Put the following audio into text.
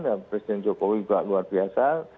presiden jokowi juga luar biasa